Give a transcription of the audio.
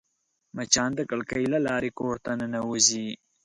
مچان د کړکۍ له لارې کور ته ننوزي